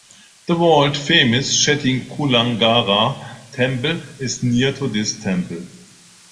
The world-famous Chettikulangara temple is near to this temple.